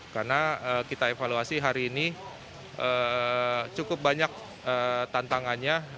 karena kita evaluasi hari ini cukup banyak tantangannya